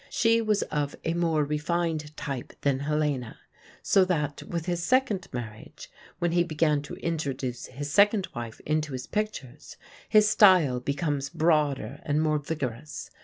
She was of a more refined type than Helena; so that, with his second marriage, when he began to introduce his second wife into his pictures, his style becomes broader and more vigorous.